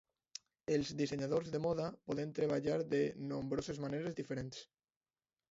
Els dissenyadors de moda poden treballar de nombroses maneres diferents.